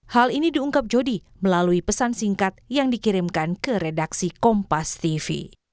hal ini diungkap jody melalui pesan singkat yang dikirimkan ke redaksi kompas tv